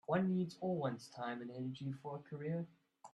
One needs all one's time and energy for a career.